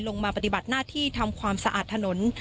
ปฏิบัติหน้าที่ทำความสะอาดถนน